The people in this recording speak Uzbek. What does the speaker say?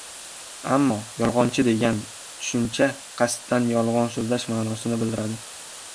ammo «yolg‘onchi», degan tushuncha qasddan yolg‘on so‘zlash ma’nosini bildiradi.